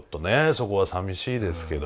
そこはさみしいですけど。